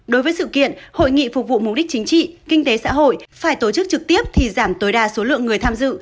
đối với sự kiện hội nghị phục vụ mục đích chính trị kinh tế xã hội phải tổ chức trực tiếp thì giảm tối đa số lượng người tham dự